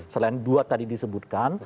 selain dua tadi disebutkan